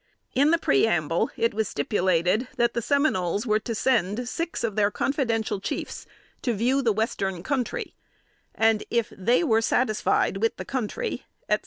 In the preamble, it was stipulated that the Seminoles were to send six of their confidential chiefs to view the western country; and if they were satisfied with the country, etc.